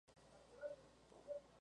Se encuentra en el Km.